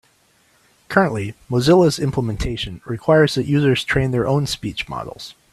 Currently, Mozilla's implementation requires that users train their own speech models.